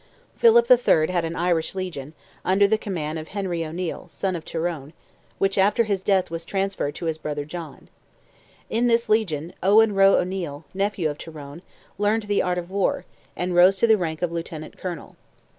Philip III. had an Irish legion, under the command of Henry O'Neil, son of Tyrone, which, after his death was transferred to his brother John. In this legion, Owen Roe O'Neil, nephew of Tyrone, learned the art of war, and rose to the rank of Lieutenant Colonel.